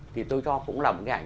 thì tôi cho cũng là một cái ảnh